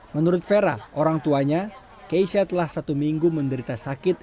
menurut vera orang tuanya keisha telah satu minggu menderita sakit